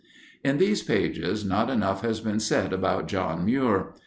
In these pages not enough has been said about John Muir.